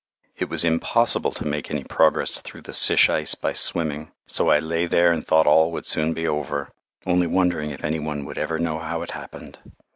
It was impossible to make any progress through the sish ice by swimming, so I lay there and thought all would soon be over, only wondering if any one would ever know how it happened.